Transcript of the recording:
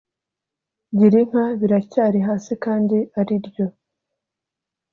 Girinka biracyari hasi kandi ariryo